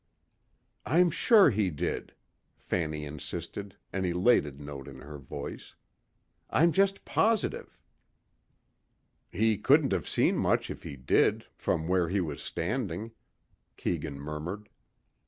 "I'm sure he did," Fanny insisted, an elated note in her voice, "I'm just positive." "He couldn't have seen much if he did, from where he was standing," Keegan murmured.